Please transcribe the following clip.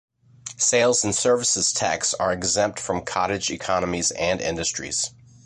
Sales and services tax are exempt from cottage economies and industries.